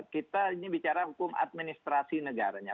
kita ini bicara hukum administrasi negaranya